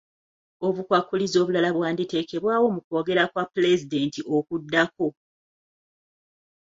Obukwakkulizo obulala bwanditeekebwawo mu kwogera kwa pulezidenti okuddako.